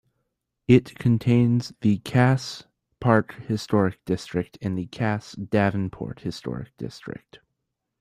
It contains the Cass Park Historic District and the Cass-Davenport Historic District.